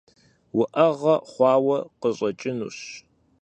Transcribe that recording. УӀэгъэ хъуауэ къыщӀэкӀынущ.